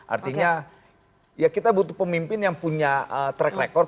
artinya ya kita butuh pemimpin yang punya track record